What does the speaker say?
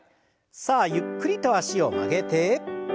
さあゆっくりと脚を曲げて。